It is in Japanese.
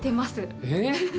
えっ！